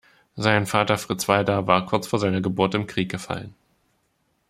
Sein Vater Fritz Walter war kurz vor seiner Geburt im Krieg gefallen.